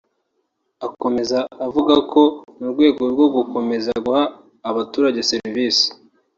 Akomeza avuga ko mu rwego rwo gukomeza guha abaturage serivisi